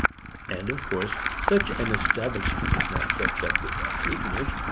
And, of course, such an establishment is not kept up without patronage.